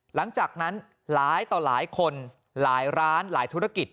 หลังจากนั้นหลายต่อหลายคนหลายร้านหลายธุรกิจ